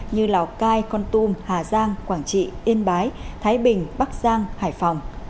như lào cai con tum hà giang quảng trị yên bái thái bình bắc giang hải phòng